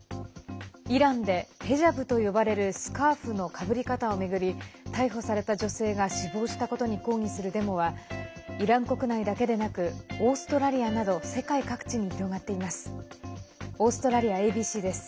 イランでヘジャブと呼ばれるスカーフのかぶり方を巡り逮捕された女性が死亡したことに抗議するデモはイラン国内だけでなくオーストラリアなど世界各地に広がっています。